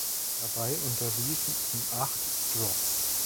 Dabei unterliefen ihm acht "Drops".